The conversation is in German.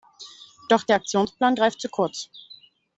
Doch der Aktionsplan greift zu kurz.